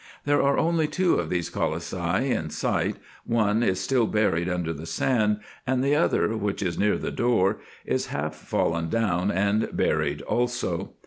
There are only two of these colossi in sight, one is still buried under the sand, and the other, which is near the door, is half fallen down, and buried also.